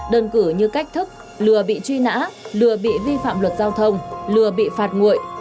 đơn cử như cách thức lừa bị truy nã lừa bị vi phạm luật giao thông lừa bị phạt nguội